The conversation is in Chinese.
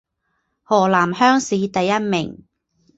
河南乡试第一名。